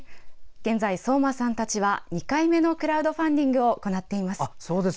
現在、聡真さんたちは２回目のクラウドファンディングを行っています。